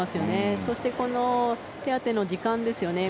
そして、この手当ての時間ですよね。